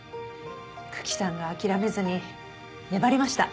九鬼さんが諦めずに粘りました。